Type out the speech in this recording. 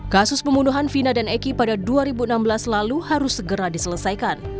kasus pembunuhan vina dan eki pada dua ribu enam belas lalu harus segera diselesaikan